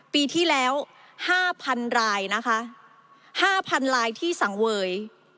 ปีที่แล้ว๕๐๐๐รายนะคะ๕๐๐๐รายที่สังเวย